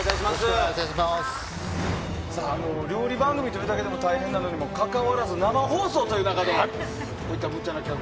料理番組ということだけでも大変なのにもかかわらず生放送という中でこういった無茶の企画。